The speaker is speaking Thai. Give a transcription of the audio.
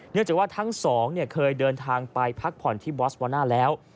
จากว่าทั้งสองเคยเดินทางไปพักผ่อนที่บอสวาน่าแล้ว